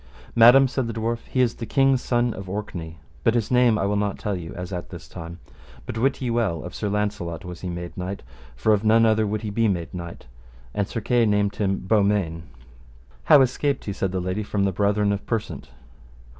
Madam, said the dwarf, he is the king's son of Orkney, but his name I will not tell you as at this time; but wit ye well, of Sir Launcelot was he made knight, for of none other would he be made knight, and Sir Kay named him Beaumains. How escaped he, said the lady, from the brethren of Persant?